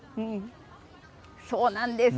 そうなんです。